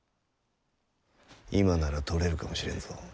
今なら取れるかもしれんぞ。